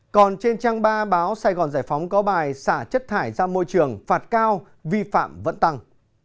còn trên trang ba báo sài gòn giải phóng có bài xả chất thải ra môi trường phạt cao vi phạm vẫn tăng